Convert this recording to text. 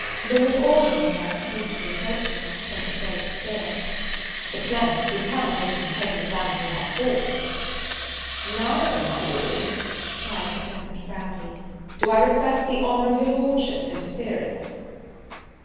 Lord Orville then, hastily approaching us, said, with great spirit, "Sir Clement, you cannot wish to detain Miss Anville by force!" "Neither, my Lord," cried Sir Clement, proudly, "do I request the honour of your Lordship's interference."